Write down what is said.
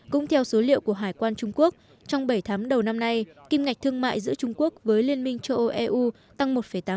cũng theo số liệu của hải quan trung quốc trong bảy tháng đầu năm nay kim ngạch thương mại giữa trung quốc với liên minh châu âu eu tăng một tám